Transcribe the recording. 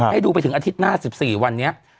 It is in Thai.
ให้ดูไปถึงอาทิตย์หน้า๑๔วันนี้